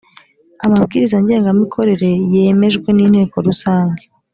amabwiriza ngengamikorere yemejwe n’inteko rusange